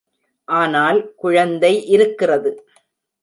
ஆனால், குழந்தை இருக்கிறது.